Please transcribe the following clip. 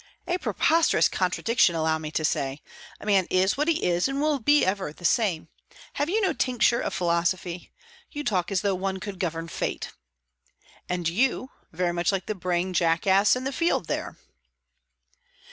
"A preposterous contradiction, allow me to say. A man is what he is, and will be ever the same. Have you no tincture of philosophy? You talk as though one could govern fate." "And you, very much like the braying jackass in the field there."